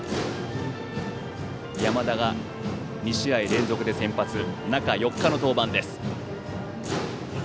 山田が２試合連続で先発中４日の登板です。